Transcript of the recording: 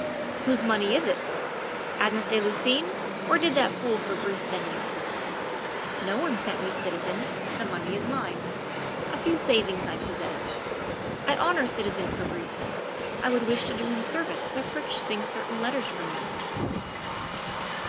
"Whose money is it? Agnes de Lucines' or did that fool Fabrice send you?" "No one sent me, citizen. The money is mine a few savings I possess I honour citizen Fabrice I would wish to do him service by purchasing certain letters from you."